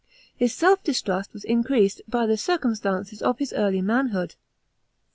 His sell distrust was increased Hy the circumstances of his early m:mhood.